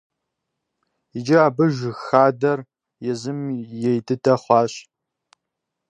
Иджы абы жыг хадэр езым ей дыдэ хъуащ.